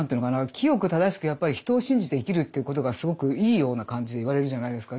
清く正しくやっぱり人を信じて生きるということがすごくいいような感じで言われるじゃないですか。